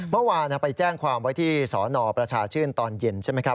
เมื่อวานไปแจ้งความไว้ที่สนประชาชื่นตอนเย็นใช่ไหมครับ